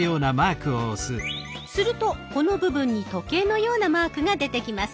するとこの部分に時計のようなマークが出てきます。